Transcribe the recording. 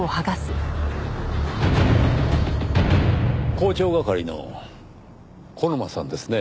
広聴係の小沼さんですね。